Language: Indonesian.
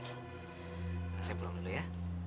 saya pulang dulu ya